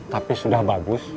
tapi sudah bagus